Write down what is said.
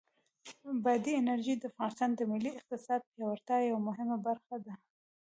بادي انرژي د افغانستان د ملي اقتصاد د پیاوړتیا یوه مهمه برخه ده.